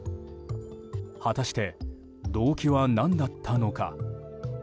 果たして、動機は何だったのか。